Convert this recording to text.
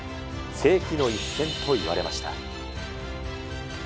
世紀の一戦といわれました。